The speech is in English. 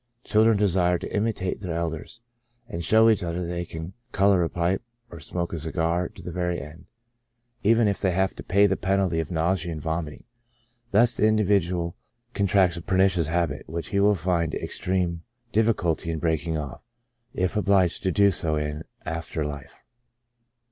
Children desire to imitate their eld ers, and show each other they can color a pipe, or smoke a cigar to the very end, even if they have to pay the penalty 54 CHRONIC ALCOHOLISM. of nausea and vomiting. Thus, the individual contracts a pernicious habit, which he will find extreme difficulty in breaking off, if obliged to do so in after life.